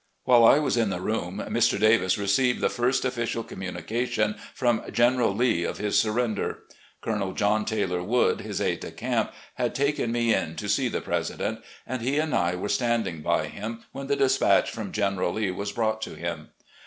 While I was in the room, Mr. Davis received the first official commxmication from General Lee of his surrender. Colonel John Taylor Wood, his aide de camp, had taken me in to see the President, and he and I were standing by him when the despatch from General Lee was brought to him.